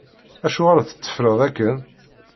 Acuɣer tetteffreḍ akken?